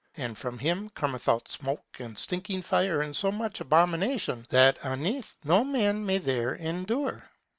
And from him cometh out smoke and stinking fire and so much abomination, that unnethe no man may there endure.